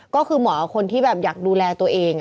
ก็คือหมอคนที่แบบอยากดูแลตัวเอง